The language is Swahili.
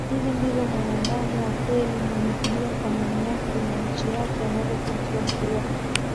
hivi ndivyo mwanaadamu wa kweli mwenye kujuwa thamani yake na nchi yake anavyopasa kuwa